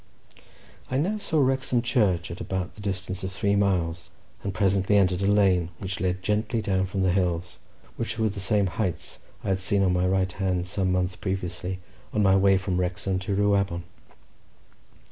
I now saw Wrexham Church at about the distance of three miles, and presently entered a lane which led gently down from the hills, which were the same heights I had seen on my right hand, some months previously, on my way from Wrexham to Rhiwabon.